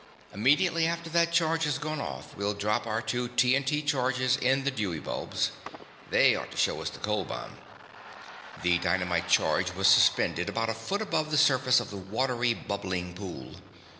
Immediately after that charge has gone off we'll drop our two T. N. T. charges in the Dewey bulbs. They ought to show us the cold bomb." The dynamite charge was suspended about a foot above the surface of the watery, bubbling pool.